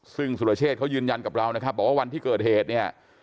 ซึ่งสุรเชษฐเขายืนยันกับเรานะครับบอกว่าวันที่เกิดเหตุเนี่ย